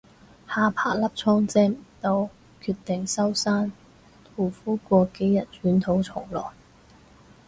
下巴粒瘡遮唔到，決定收山護膚過幾日捲土重來